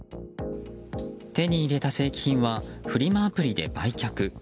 手に入れた正規品はフリマアプリで売却。